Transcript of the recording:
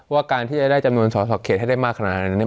ว่าการที่จะได้จำนวนศศเขตให้ได้มากขนาดนั้นเนี่ย